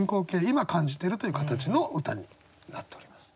今感じてるという形の歌になっております。